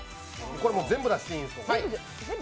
これ、全部出していいんですよね？